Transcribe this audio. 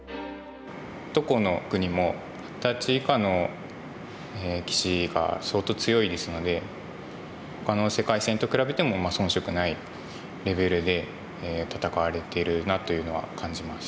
どこの国も二十歳以下の棋士が相当強いですのでほかの世界戦と比べてもそん色ないレベルで戦われてるなというのは感じます。